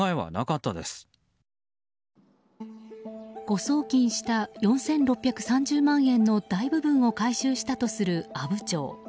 誤送金した４６３０万円の大部分を回収したとする阿武町。